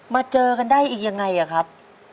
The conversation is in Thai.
เจอกันได้อีกยังไงอะครับ